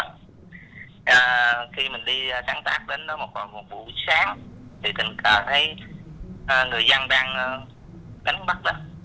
khi mình đi sáng tác đến đó một buổi sáng thì tình cờ thấy người dân đang đánh bắt mình